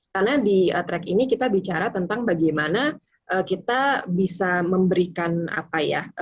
karena di track ini kita bicara tentang bagaimana kita bisa memberikan apa ya